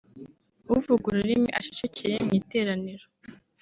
uvuga ururimi acecekere mu iteraniro